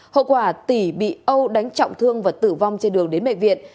hậu quả tỉ bị âu đánh trọng thương và tử vong trên đường đến bệnh viện